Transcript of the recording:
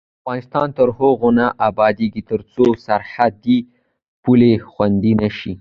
افغانستان تر هغو نه ابادیږي، ترڅو سرحدي پولې خوندي نشي.